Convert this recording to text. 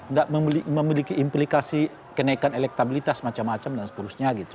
nggak memiliki implikasi kenaikan elektabilitas macam macam dan seterusnya gitu